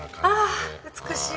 あっ美しい！